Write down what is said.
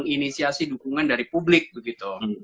inisiasi dukungan dari publik begitu